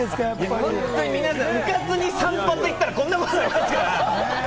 うかつに散髪行ったらこんなことになりますから。